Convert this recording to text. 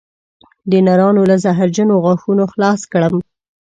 د نرانو له زهرجنو غاښونو خلاص کړم